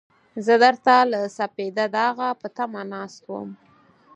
زه درته له سپېده داغه په تمه ناست وم.